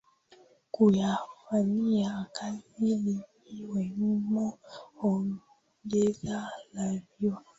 kuyafanyia kazi likiwemo ongezeko la viwanda